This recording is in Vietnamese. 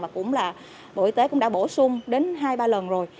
và cũng là bộ y tế cũng đã bổ sung đến hai ba lần rồi